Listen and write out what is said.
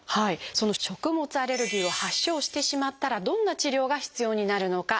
その食物アレルギーを発症してしまったらどんな治療が必要になるのか。